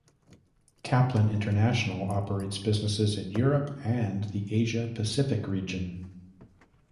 Kaplan International operates businesses in Europe and the Asia Pacific region.